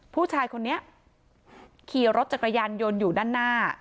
ผู้ชายคนนี้ขี่รถจักรยานยนต์อยู่ด้านหน้า